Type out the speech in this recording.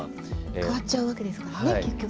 替わっちゃうわけですからね結局。